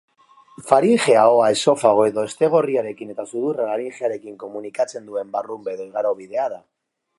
Faringea ahoa esofago edo hestegorriarekin eta sudurra laringearekin komunikatzen duen barrunbe edo igarobidea da.